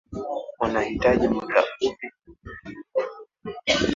Unahitaji muda upi?